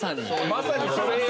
まさにそれよ！